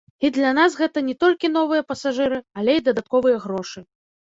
І для нас гэта не толькі новыя пасажыры, але і дадатковыя грошы.